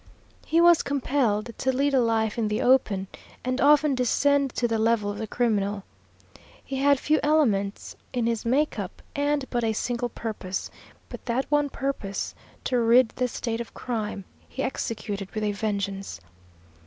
He was compelled to lead a life in the open and often descend to the level of the criminal. He had few elements in his makeup, and but a single purpose; but that one purpose to rid the State of crime he executed with a vengeance.